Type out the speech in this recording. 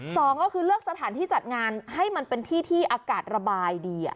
สองก็คือเลือกสถานที่จัดงานให้มันเป็นที่ที่อากาศระบายดี